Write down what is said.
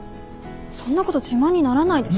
そんなこと自慢にならないでしょ。